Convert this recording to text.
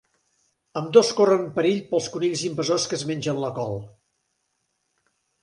Ambdós corren perill pels conills invasors que es mengen la col.